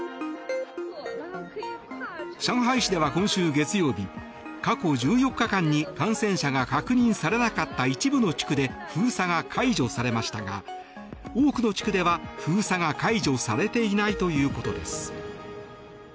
上海市では今週月曜日過去１４日間に感染者が確認されなかった一部の地区で封鎖が解除されましたが多くの地区では封鎖が解除されていないということです。